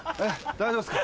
大丈夫ですか？